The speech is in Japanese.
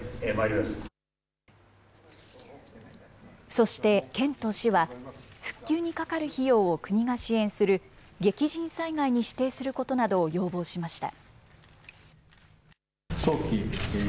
そして県と市は、復旧にかかる費用を国が支援する、激甚災害に指定することなどを要望しました。